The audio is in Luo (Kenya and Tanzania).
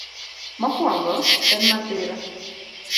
Mokwongo, en masira.